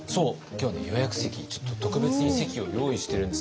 予約席ちょっと特別に席を用意してるんです。